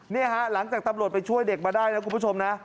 นี่ฮะหลังจากตำรวจไปช่วยเด็กมาได้นะคุณผู้ชมนะ